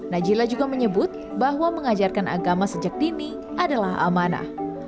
najila juga menyebut bahwa mengajarkan agama sejak dini adalah amanah